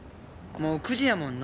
もう９時やもんの。